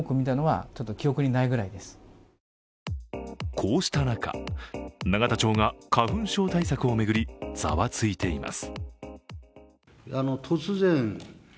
こうした中、永田町が花粉症対策を巡りざわついています。